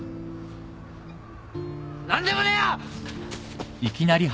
何でもねえよ！